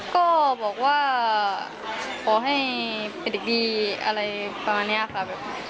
ก็บอกมาเป็นเด็กอะไรประมาณนี้ค่ะ